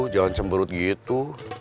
jangan cemberut gitu